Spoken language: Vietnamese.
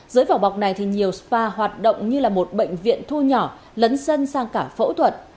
dưới vỏ bọc này thì nhiều spa hoạt động như là một bệnh viện thu nhỏ lấn sân sang cả phẫu thuật